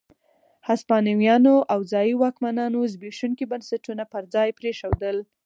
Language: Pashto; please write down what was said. هسپانويانو او ځايي واکمنانو زبېښونکي بنسټونه پر ځای پرېښودل.